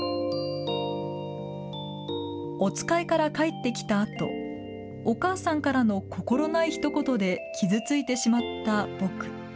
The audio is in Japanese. お使いから帰ってきたあとお母さんからの心ないひと言で傷ついてしまった僕。